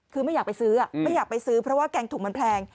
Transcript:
คือไม่อยากไปซื้อเพราะว่าแกงถุงมันแพง